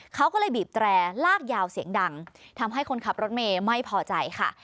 เขาก็เลยบีบแตรลากยาวเสียงดังทำให้คนขับรถเมย์ไม่พอใจค่ะ